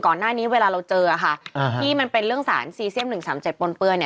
ก่อนหน้านี้เวลาเราเจอที่มันเป็นเรื่องศรีซีเซียม๑๓๗ปนเปื้อน